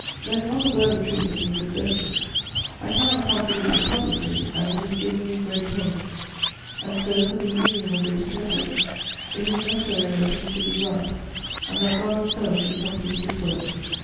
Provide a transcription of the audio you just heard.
There is not a word of truth in this assertion; I cannot contradict it publicly; and it has given me great pain. And so, for the union of the dissenters, it is necessary that things should be ripe and that God Himself should complete His work.